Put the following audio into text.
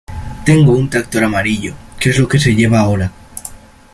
Tengo un tractor amarillo, que es lo que se lleva ahora.